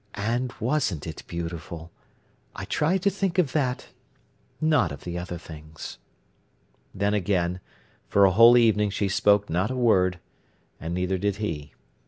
And wasn't it beautiful! I try to think of that, not of the other things." Then, again, for a whole evening she spoke not a word; neither did he.